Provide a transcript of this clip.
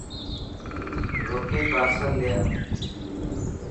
روٽي پارسل لي آءِ.